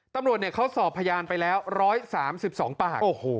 ตำรวจเขาสอบพยานไปแล้ว๑๓๒ปาก